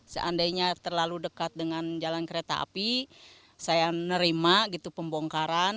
seandainya terlalu dekat dengan jalan kereta api saya nerima gitu pembongkaran